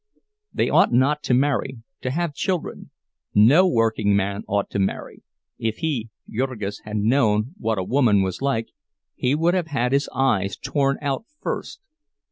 They ought not to marry, to have children; no workingman ought to marry—if he, Jurgis, had known what a woman was like, he would have had his eyes torn out first.